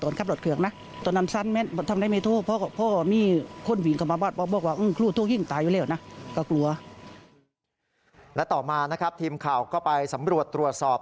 และต่อมานะครับทีมข่าวก็ไปสำรวจตรวจสอบ